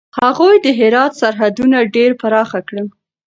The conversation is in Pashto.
هغوی د هرات سرحدونه ډېر پراخه کړل.